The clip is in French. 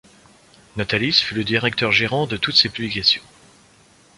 Natalis fut le directeur-gérant de toutes ces publications.